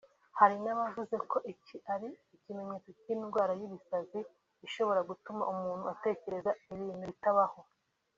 Hari n’abavuze ko iki ari ikimenyetso cy’indwara y’ibisazi ishobora gutuma umuntu atekereza ibintu bitabaho